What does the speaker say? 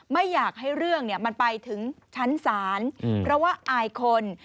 ไม่อยากให้เรื่องมันไปถึงชั้นศาลเพราะว่าอายคน